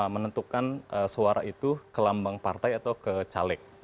menentukan suara itu ke lambang partai atau ke caleg